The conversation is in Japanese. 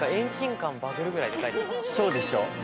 そうでしょ。